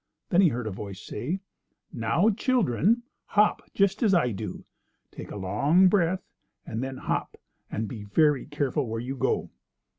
Then he heard a voice say: "Now, children, hop just as I do. Take a long breath and then hop, and be very careful where you go."